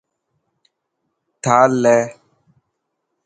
ٿال لي .